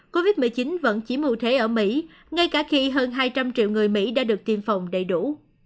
covid một mươi chín vẫn chỉ ưu thế ở mỹ ngay cả khi hơn hai trăm linh triệu người mỹ đã được tiêm phòng đầy đủ